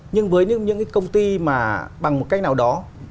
nhưng với những cái công ty mà bằng một cách nào đó